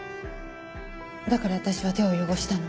だから私は手を汚したの。